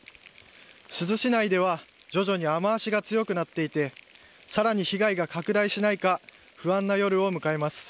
珠洲市内では徐々に雨脚が強くなっていてさらに被害が拡大しないか不安な夜を迎えます。